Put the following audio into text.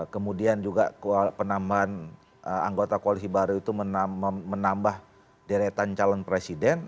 kemudian juga penambahan anggota koalisi baru itu menambah deretan calon presiden